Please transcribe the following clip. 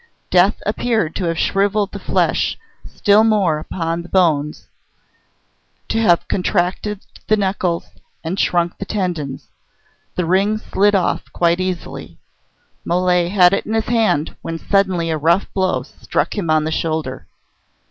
Death appeared to have shrivelled the flesh still more upon the bones, to have contracted the knuckles and shrunk the tendons. The ring slid off quite easily. Mole had it in his hand, when suddenly a rough blow struck him on the shoulder.